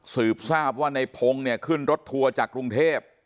สืบทราบว่าในพงศ์เนี่ยขึ้นรถทัวร์จากกรุงเทพ